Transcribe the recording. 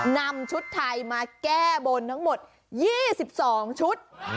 นำชุดไทยมาแก้บนทั้งหมด๒๒ชุด